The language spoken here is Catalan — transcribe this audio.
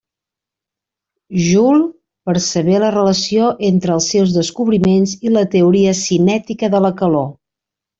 Joule percebé la relació entre els seus descobriments i la teoria cinètica de la calor.